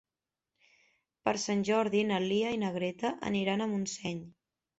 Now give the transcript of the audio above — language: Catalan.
Per Sant Jordi na Lia i na Greta aniran a Montseny.